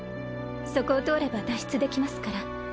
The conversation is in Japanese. そこを通れば脱出できますから。